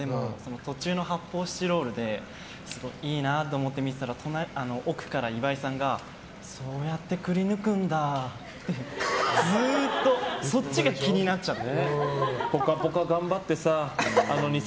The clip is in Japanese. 途中の発砲スチロールでいいなと思って見てたら奥から岩井さんがそうやってくり抜くんだってずっとそっちが気になっちゃって。